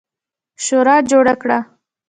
شورا جوړه کړه.